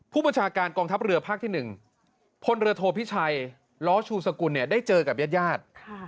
ผู้บัญชาการกองทัพเรือภาคที่๑พลเรือโทพิชัยล้อชูสกุลได้เจอกับญาติญาติ